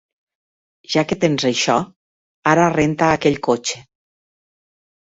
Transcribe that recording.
Ja que tens això, ara renta aquell cotxe.